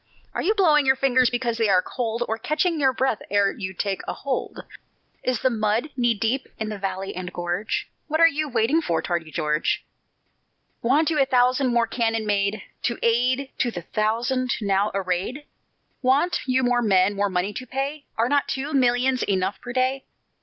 Are you blowing your fingers because they are cold, Or catching your breath ere you take a hold? Is the mud knee deep in valley and gorge? What are you waiting for, tardy George? Want you a thousand more cannon made, To add to the thousand now arrayed? Want you more men, more money to pay? Are not two millions enough per day?